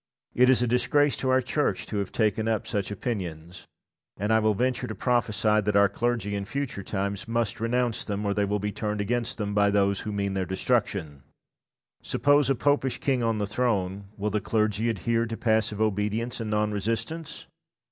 Mr. Hampden. It is a disgrace to our Church to have taken up such opinions; and I will venture to prophesy that our clergy in future times must renounce them, or they will be turned against them by those who mean their destruction. Suppose a Popish king on the throne, will the clergy adhere to passive obedience and non resistance?